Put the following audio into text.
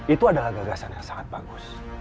itu adalah gagasan yang sangat bagus